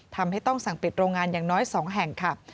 ทำให้ต้องสั่งปิดโรงงานอย่างน้อย๒แห่งค่ะ